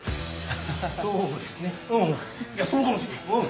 そうですねうんいやそうかもしれないうん。